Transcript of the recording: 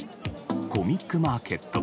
コミックマーケット